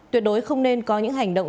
tuyệt đối không nên có những hành động